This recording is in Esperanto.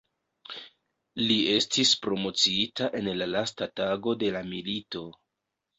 Li estis promociita en la lasta tago de la milito.